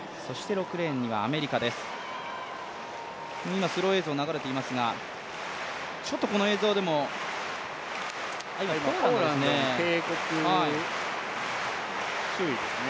今スロー映像が流れていますが、この映像でもポーランドに警告、注意ですね。